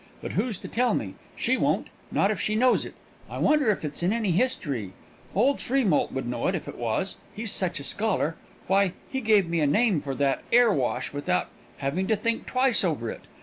But who's to tell me? She won't not if she knows it! I wonder if it's in any history. Old Freemoult would know it if it was he's such a scholar. Why, he gave me a name for that 'airwash without having to think twice over it!